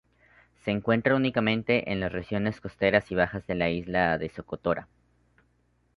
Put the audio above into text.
Se encuentra únicamente en las regiones costeras y bajas de la isla de Socotora.